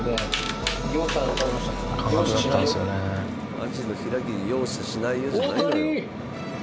アジの開きに「容赦しないよ」じゃないのよ。